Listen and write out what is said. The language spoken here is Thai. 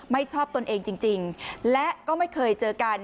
ไม่ชอบตนเองจริงและก็ไม่เคยเจอกัน